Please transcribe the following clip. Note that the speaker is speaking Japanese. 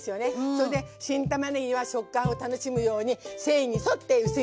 それで新たまねぎは食感を楽しむように繊維に沿って薄切りにしてあります！